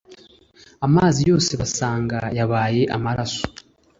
amazi yose basanga yabaye amaraso